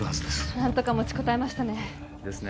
何とか持ちこたえましたねですね